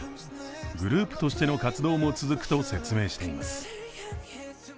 グループとしての活動も続くと説明しています。